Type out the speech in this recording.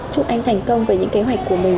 chúc anh thành công về những kế hoạch của mình